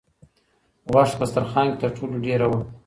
غوښه په دسترخوان کې تر ټولو ډېره وه.